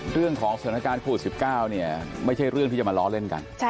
เรื่องของสถานการณ์โควิด๑๙เนี่ยไม่ใช่เรื่องที่จะมาล้อเล่นกัน